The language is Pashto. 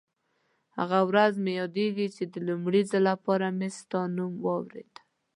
هغه ورځ مې یادېږي چې د لومړي ځل لپاره مې ستا نوم واورېد.